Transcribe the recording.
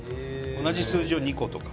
同じ数字を２個とか。